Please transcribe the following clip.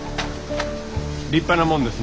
立派なもんですな。